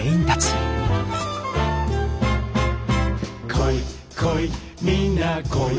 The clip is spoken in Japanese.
「来い来いみんな来い」